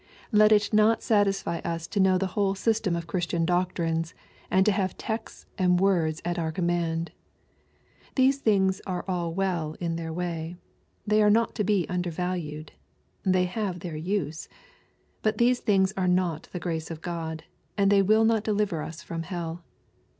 Let it not satisfy us to know the whole system of Christian doctrines, and to have texts and words at our command. These things are all well in their way. They are not to be undervalued. They have their use. But these things are not the grace of God, and they will not deliver us from hell.